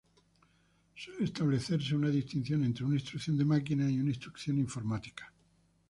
Suele establecerse una distinción entre una instrucción de máquina y una "instrucción informática".